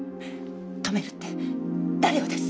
止めるって誰をです？